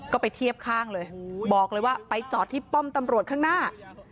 ก็ไปเทียบข้างเลยบอกเลยว่าไปจอดที่ป้อมตำรวจข้างหน้า